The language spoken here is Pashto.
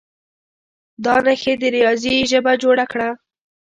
دا نښې د ریاضي ژبه جوړه کړه.